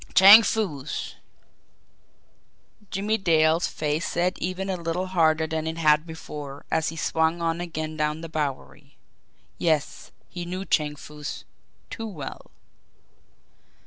Chang Foo's! Jimmie Dale's face set even a little harder than it had before, as he swung on again down the Bowery. Yes; he knew Chang Foo's too well.